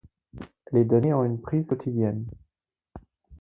Elle est donnée en une prise quotidienne.